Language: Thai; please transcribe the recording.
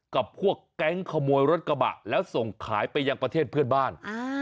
กับพวกแก๊งขโมยรถกระบะแล้วส่งขายไปยังประเทศเพื่อนบ้าน